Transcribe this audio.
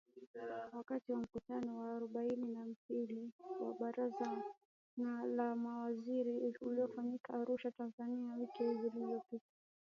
Wakati wa mkutano wa arubaini na mbili wa Baraza la Mawaziri uliofanyika Arusha, Tanzania wiki mbili zilizopita